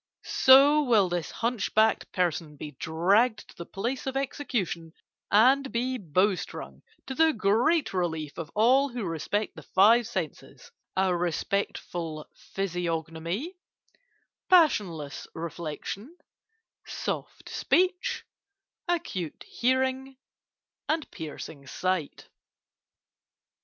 So will this hunchbacked person be dragged to the place of execution, and be bowstrung, to the great relief of all who respect the five senses; A Respectful Physiognomy, Passionless Reflexion, Soft Speech, Acute Hearing, Piercing Sight.